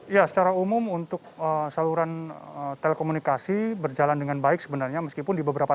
ya secara umum untuk saluran telekomunikasi berjalan dengan baik sebenarnya meskipun di beberapa